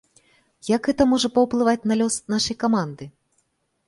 Як гэта можа паўплываць на лёс нашай каманды?